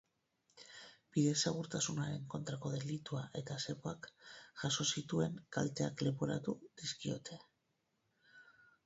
Bide-segurtasunaren kontrako delitua eta zepoak jaso zituen kalteak leporatu dizkiote.